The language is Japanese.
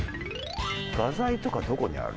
画材とかどこにある？